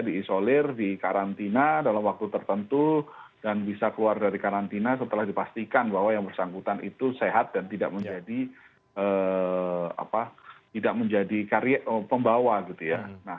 diisolir di karantina dalam waktu tertentu dan bisa keluar dari karantina setelah dipastikan bahwa yang bersangkutan itu sehat dan tidak menjadi pembawa gitu ya